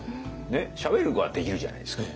しゃべることはできるじゃないですか。